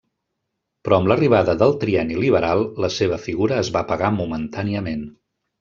Però amb l'arribada del Trienni Liberal la seva figura es va apagar momentàniament.